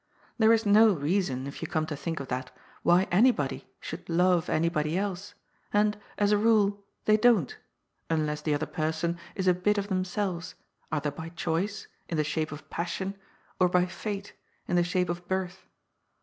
There is no reason, if you come to think of that, why anybody should love anybody else, and, as a rule, they don't, unless the other person is a bit of themselves, either by choice, in the shape of passion, or by fate, in the shape of birth.